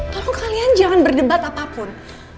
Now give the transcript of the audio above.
lalu kalian jangan berdebat apapun